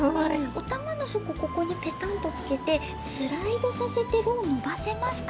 おたまのそこここにペタンとつけてスライドさせてろうをのばせますかね？